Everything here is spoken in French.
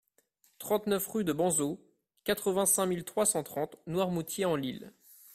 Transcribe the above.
trente-neuf rue de Banzeau, quatre-vingt-cinq mille trois cent trente Noirmoutier-en-l'Île